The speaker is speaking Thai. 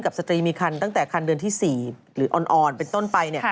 สตรีมีคันตั้งแต่คันเดือนที่๔หรืออ่อนเป็นต้นไป